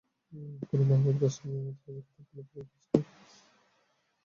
যেমন মাহমুদ গযনবী, মুতাযিলাদের কিতাবগুলো পুড়িয়ে দিয়েছিলেন।